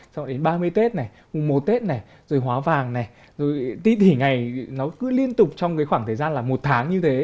xong rồi đến ba mươi tết này một tết này rồi hóa vàng này rồi tí thỉ ngày nó cứ liên tục trong cái khoảng thời gian là một tháng như thế